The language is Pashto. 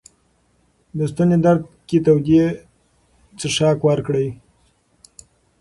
د ستوني درد کې تودې څښاک ورکړئ.